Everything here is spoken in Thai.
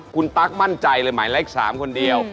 คุณตั๊กมั่นใจเลยหมายเลข๓คนเดียว